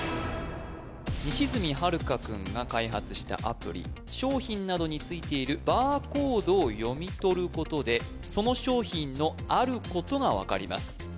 西住悠くんが開発したアプリ商品などについているバーコードを読み取ることでその商品のあることが分かります